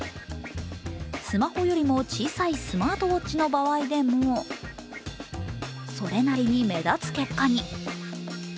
スマホよりも小さいスマートウォッチの場合でも、それなりに目立つ結果に。